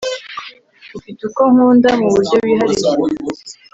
ufite uko nkunda mu buryo wihariye